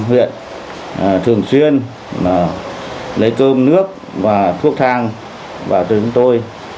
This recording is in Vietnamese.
huyện thường xuyên lấy cơm nước và thuốc thang vào từng chúng tôi